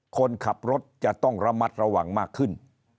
คนขับรถจะต้องระมัดระวังมากขึ้น